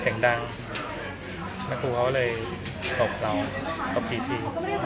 เสียงดังแล้วครูเขาเลยตบเราตบตีที